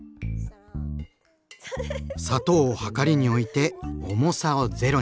砂糖をはかりに置いて重さをゼロに。